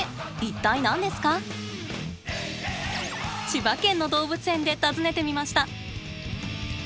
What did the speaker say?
千葉県の動物園で尋ねてみました。